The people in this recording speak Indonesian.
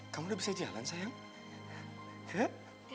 sampai jumpa di video selanjutnya